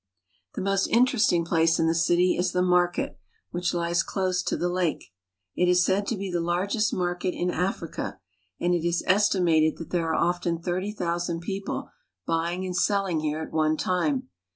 The most interesting place in the city is the market, which lies close to the lake. It is said to be the largest I IN TUF LAND OF THE liAirSAS 179 1 rtnarket in Africa, and it is estimated that there are often 1 I thirty thousand people buyingand selling here at one Itinie.